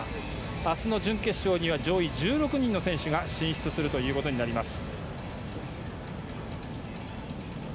明日の準決勝には上位１６人の選手が進出することになります。